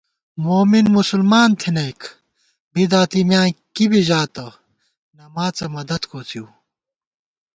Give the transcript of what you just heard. مومن مسلمان تھنَئیک بدعتی میاں کِبی ژاتہ نماڅہ مدد کوڅِؤ